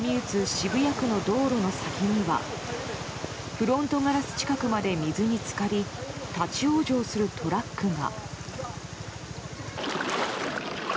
渋谷区の道路の先にはフロントガラス近くまで水に浸かり立ち往生するトラックが。